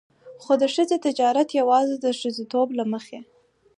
خو د ښځې تجارت يواځې د ښځېتوب له مخې.